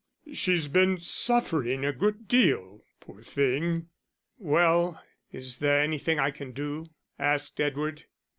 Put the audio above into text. She's been suffering a good deal, poor thing." "Well, is there anything I can do?" asked Edward.